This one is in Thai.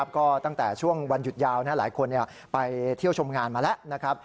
ก็ตั้งแต่ช่วงวันหยุดยาวหลายคนไปเที่ยวชมงานมาแล้วนะครับ